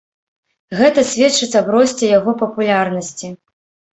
Гэта сведчыць аб росце яго папулярнасці.